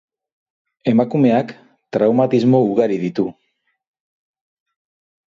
Emakumeak traumatismo ugari ditu.